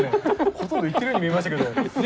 ほとんど行ってるように見えましたけど。ね？